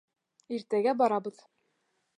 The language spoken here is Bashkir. Иртәгә барабыҙ.